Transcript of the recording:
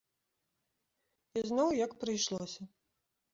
І зноў як прыйшлося.